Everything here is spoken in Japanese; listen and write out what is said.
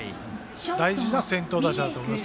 大事な先頭打者だと思います。